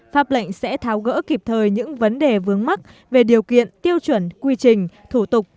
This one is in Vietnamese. pháp lệnh sẽ tháo gỡ kịp thời những vấn đề vướng mắc về điều kiện tiêu chuẩn quy trình thủ tục